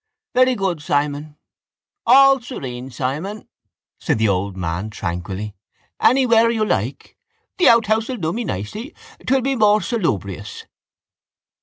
—Very good, Simon. All serene, Simon, said the old man tranquilly. Anywhere you like. The outhouse will do me nicely: it will be more salubrious.